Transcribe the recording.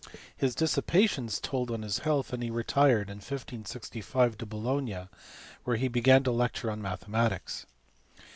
His dissipations told on his health, and he retired in 1565 to Bologna where he began to lecture on mathematics.